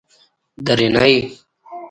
درېنۍ